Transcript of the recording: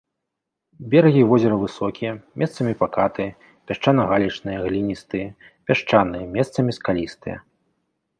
Берагі возера высокія, месцамі пакатыя, пясчана-галечныя, гліністыя, пясчаныя, месцамі скалістыя.